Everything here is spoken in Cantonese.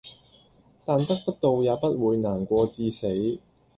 但得不到也不會難過至死